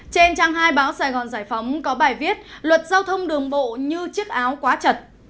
trên trang hai báo sài gòn giải phóng có bài viết luật giao thông đường bộ như chiếc áo quá chật